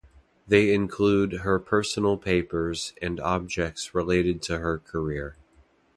They include her personal papers and objects related to her career.